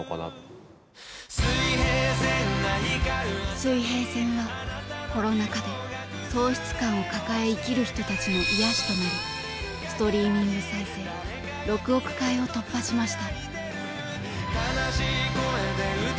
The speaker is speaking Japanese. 「水平線」はコロナ禍で喪失感を抱え生きる人たちの癒やしとなりストリーミング再生６億回を突破しました。